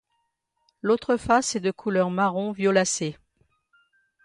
L'autre face est de couleur marron violacé.